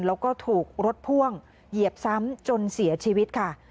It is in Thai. แล้วก็ถูกรถพ่วงเหยียบซ้ำจนเสียชีวิตค่ะ